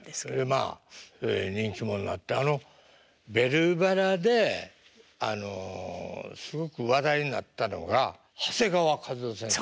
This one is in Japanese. まあ人気者になってあの「ベルばら」であのすごく話題になったのが長谷川一夫先生が。